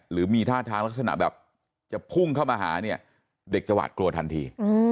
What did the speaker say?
หรือมีท่าทางลักษณะแบบจะพุ่งเข้ามาหาเนี่ยเด็กจะหวาดกลัวทันที